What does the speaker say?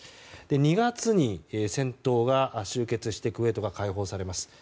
２月に戦闘が終結してクウェートが解放されます。